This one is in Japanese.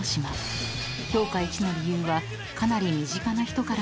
［評価１の理由はかなり身近な人からの声］